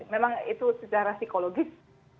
memang itu secara psikologis